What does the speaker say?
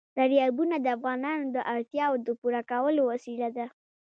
دریابونه د افغانانو د اړتیاوو د پوره کولو وسیله ده.